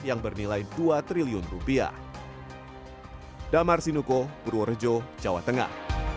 yang bernilai dua triliun rupiah